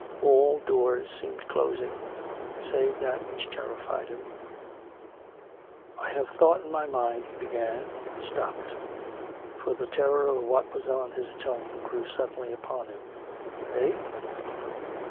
All doors seemed closing, save that which terrified him. ..." I have thought in my mind " he began ; and stopped, for the terror of what was on his tongue grew suddenly upon him. "Eh?"